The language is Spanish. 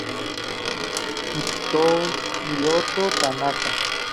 Hiroto Tanaka